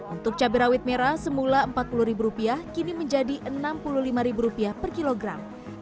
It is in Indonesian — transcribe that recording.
untuk cabai rawit merah semula empat puluh ribu rupiah kini menjadi enam puluh lima ribu rupiah per kilogram